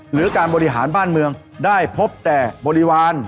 หรือการบริหารบ้านเมืองได้พบแต่บริวาร